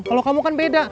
kalau kamu kan beda